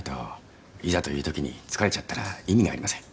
いざというときに疲れちゃったら意味がありません。